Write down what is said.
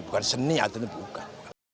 bukan seni adhan itu bukan